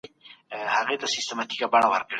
سردار اکبرخان د خپلو سرتېرو د روزنې لپاره هڅې وکړې.